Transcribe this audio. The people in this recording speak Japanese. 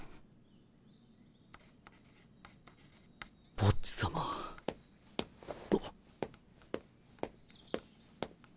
ボッジ様あっ。